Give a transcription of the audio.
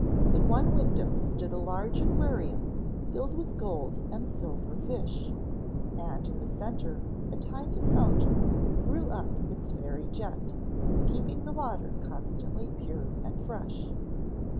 In one window stood a large aquarium filled with gold and silver fish, and in the center a tiny fountain threw up its fairy jet, keeping the water constantly pure and fresh.